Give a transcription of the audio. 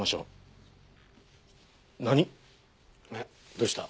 どうした？